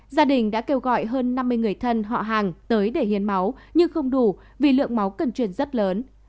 gia đình đã kêu gọi hơn năm mươi người thân họ hàng tới để hiến máu nhưng không đủ vì lượng máu cần truyền rất lớn